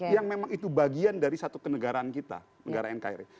yang memang itu bagian dari satu kenegaraan kita negara nkri